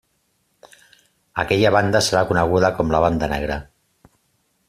Aquella banda serà coneguda com la Banda Negra.